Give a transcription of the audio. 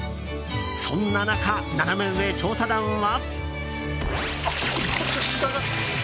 そんな中、ナナメ上調査団は。